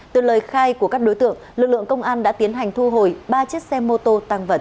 từ lời khai của các đối tượng lực lượng công an đã tiến hành thu hồi ba chiếc xe mô tô tăng vật